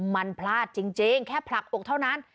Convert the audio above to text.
มันพลาดจริงแค่ผลักอกเท่านั้น